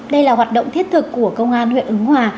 đây là hoạt động thiết thực của công an huyện ứng hòa